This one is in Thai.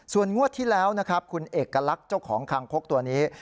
ส่วนงวดที่แล้วนะครับคุณเอกลักษณ์เจ้าของคางคกตัวนี้